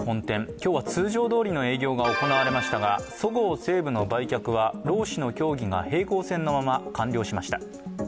今日は通常どおりの営業が行われましたが、そごう・西武の売却は労使の協議が平行線のまま完了しました。